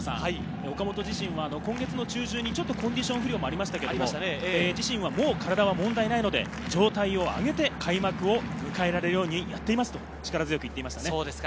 岡本自身は今月の中旬にコンディション不良がありましたけれど、自身はもう体は問題ないので、状態を上げて、開幕を迎えられるようにやっていますと力強く言ってました。